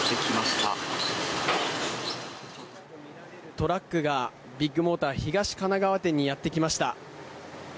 トラックがビッグモーター東神奈川店にやってきました。